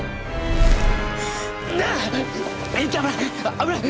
危ない！